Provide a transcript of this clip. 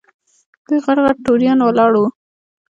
دوه غټ غټ توریان ولاړ وو.